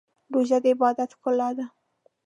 روژه د عبادت ښکلا ده.